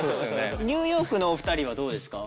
ニューヨークのお二人はどうですか？